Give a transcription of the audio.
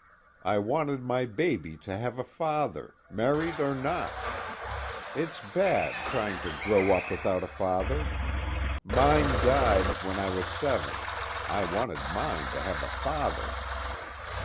I wanted my baby to have a father, married or not. It's bad, trying to grow up without a father. Mine died when I was seven. I wanted mine to have a father.